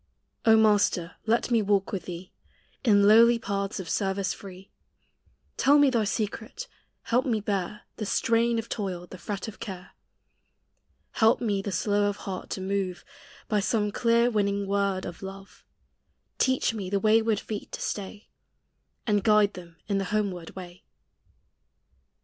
O Master, lei me walk with thee In lowly paths of service free; Tell me thy secret ; help me bear The strain of toil, the fret of care; Help me the slow of heart to move By some clear winning word of love; Teach me the wayward feet to stay, And guide them in the homeward way.